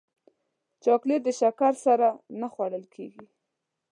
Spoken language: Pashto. چاکلېټ د شکر سره نه خوړل کېږي.